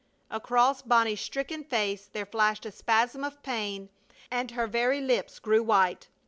Across Bonnie's stricken face there flashed a spasm of pain and her very lips grew white.